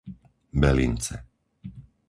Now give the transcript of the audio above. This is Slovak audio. Belince